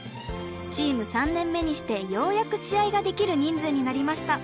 チーム３年目にしてようやく試合ができる人数になりました。